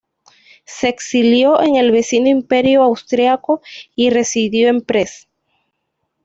Se exilió en el vecino Imperio austriaco y residió en Pest.